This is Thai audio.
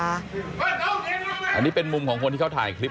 อันนี้เป็นมุมของคนที่เขาถ่ายคลิป